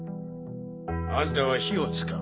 あんたは火を使う。